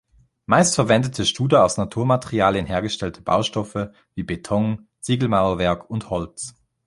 Meist verwendete Studer aus Naturmaterialien hergestellte Baustoffe wie Beton, Ziegelmauerwerk und Holz.